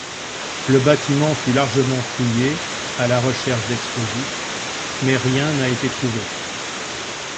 Le bâtiment fut largement fouillé à la recherche d'explosifs, mais rien n'a été trouvé.